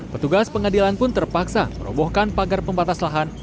petugas pengadilan pun terpaksa merobohkan pagar pembatas lahan